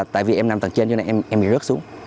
tại vì em nằm tầng trên cho nên em bị rớt xuống